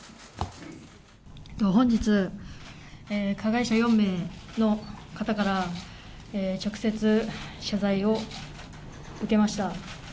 本日、加害者４名の方から、直接謝罪を受けました。